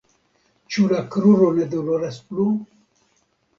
Ĉu la kruro ne doloras plu?